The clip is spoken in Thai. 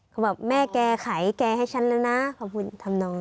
เขาบอกแม่แกขายแกให้ฉันแล้วนะขอบคุณทำนอง